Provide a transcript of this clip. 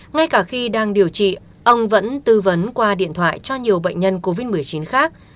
ngay cả khi đang điều trị ông vẫn tư vấn qua điện thoại cho nhiều bệnh nhân covid một mươi chín khác